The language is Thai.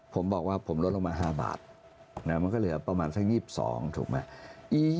ผมบอกว่าผมลดลงมา๕บาทมันก็เหลือประมาณสัก๒๒ถูกไหม